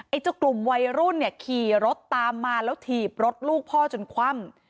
เจ้ากลุ่มวัยรุ่นเนี่ยขี่รถตามมาแล้วถีบรถลูกพ่อจนคว่ำ